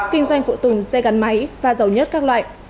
kinh doanh phụ tùng xe gắn máy và dầu nhất các loại